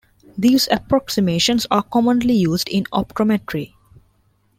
These approximations are commonly used in optometry.